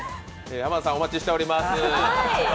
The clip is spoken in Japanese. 濱田さん、お待ちしております。